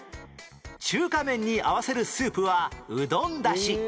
中華麺に合わせるスープはうどん出汁